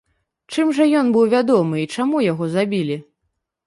Чым жа ён быў вядомы і чаму яго забілі?